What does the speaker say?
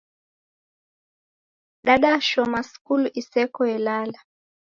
Dadashoma skulu iseko yelala